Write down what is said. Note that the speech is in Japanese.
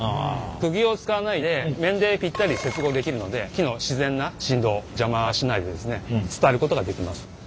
くぎを使わないで面でぴったり接合できるので木の自然な振動邪魔しないでですね伝えることができます。